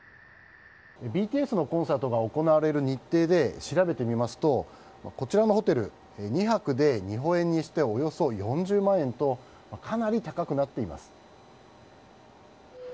ＢＴＳのコンサートが行われる日程で調べてみますとこちらのホテル２泊で日本円にしておよそ４０万円とかなり高くなっています。